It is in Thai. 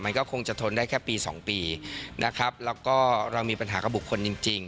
มันก็คงจะทนได้แค่ปีสองปีนะครับแล้วก็เรามีปัญหากับบุคคลจริง